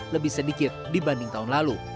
lebih sedikit dibanding tahun lalu